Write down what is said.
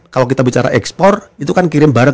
kalau kita bicara ekspor itu kan kirim barang